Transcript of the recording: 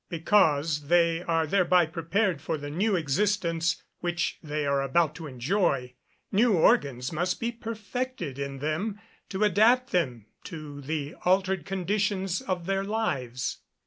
_ Because they are thereby prepared for the new existence which they are about to enjoy; new organs must be perfected in them to adapt them to the altered conditions of their lives.